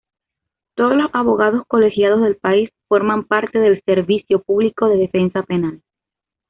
Todos los abogados colegiados del país forman parte del Servicio Público de Defensa Penal.